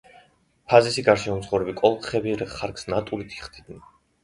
ფაზისის გარშემო მცხოვრები კოლხები ხარკს ნატურით იხდიდნენ.